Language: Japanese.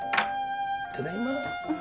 ただいま。